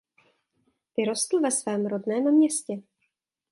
Vyrostl ve svém rodném městě.